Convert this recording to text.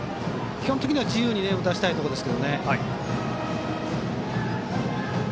基本的には自由に打たせたいところですよね。